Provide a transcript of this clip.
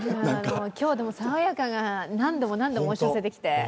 今日は爽やかが何度も何度も押し寄せてきて。